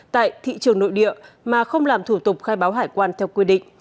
tại thị trường nội địa mà không làm thủ tục khai báo hải quan theo quy định